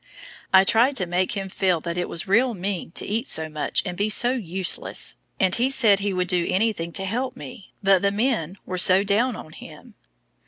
I tried to make him feel that it was "real mean" to eat so much and be so useless, and he said he would do anything to help me, but the men were so "down on him."